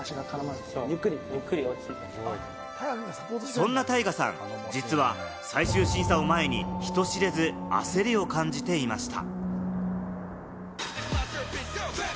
そんなタイガさん、実は最終審査を前に、人知れず焦りを感じていました。